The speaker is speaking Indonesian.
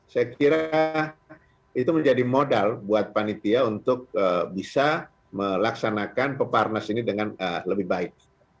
saya kira itu menjadi modal buat panitia untuk bisa melaksanakan peparnas ini dengan lebih baik